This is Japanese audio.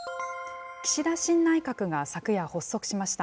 岸田新内閣が昨夜発足しました。